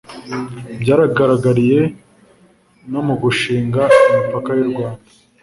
byagaragariye no mu gushinga imipaka y'u rwanda